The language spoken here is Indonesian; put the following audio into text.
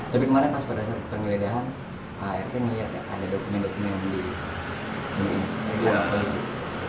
tapi kemarin pas pada penggeledahan pak rt ngelihat ya ada dokumen dokumen di smp